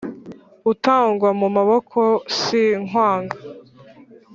utangwa mu maboko, sinkwanga,